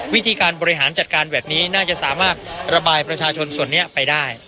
วิธีการบริหารจัดการแบบนี้น่าจะสามารถระบายประชาชนส่วนนี้ไปได้